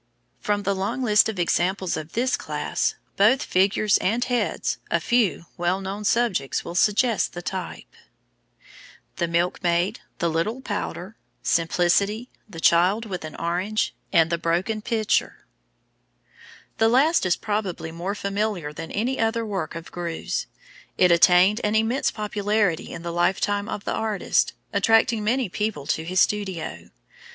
From the long list of examples of this class, both figures and heads, a few well known subjects will suggest the type: The Milkmaid, the Little Pouter, Simplicity, the Girl with an Orange, and the Broken Pitcher. [Illustration: THE BROKEN PITCHER. GREUZE.] The last is probably more familiar than any other work of Greuze. It attained an immense popularity in the lifetime of the artist, attracting many people to his studio.